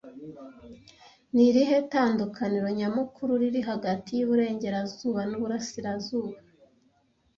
Ni irihe tandukaniro nyamukuru riri hagati y'Iburengerazuba n'Uburasirazuba